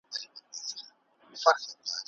افراد په خپله د سياسي سرنوشت اصلي ټاکوونکي دي.